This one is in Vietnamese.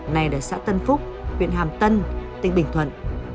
này ở xã tân phúc huyện hàm tân tỉnh bình thuận